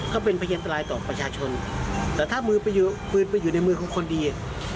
ก็เป็นพยันตรายต่อประชาชนแต่ถ้ามือปืนไปอยู่ในมือของคนดี